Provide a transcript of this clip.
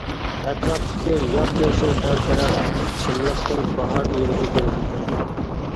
ئەتراپتىكى ياپيېشىل دەل-دەرەخ، چىملىقتىن باھار تۇيغۇسى كېلىدىكەن.